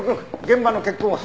現場の血痕は？